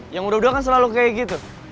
yang udah udah kan selalu kayak gitu